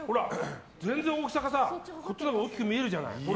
全然大きさがさ、こっちのほうが大きく見えるじゃない。